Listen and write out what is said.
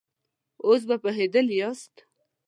اوس به پوهېدلي ياست.